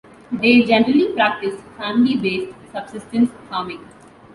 They generally practised family-based subsistence farming.